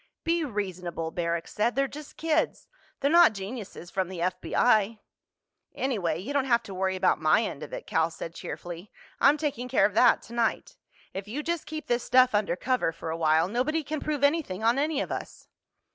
"Be reasonable," Barrack said. "They're just kids. They're not geniuses from the F.B.I." "Anyway, you don't have to worry about my end of it," Cal said cheerfully. "I'm taking care of that tonight. If you just keep this stuff undercover for a while, nobody can prove anything on any of us."